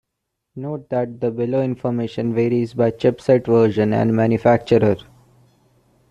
Note that the below information varies by chipset version and manufacturer.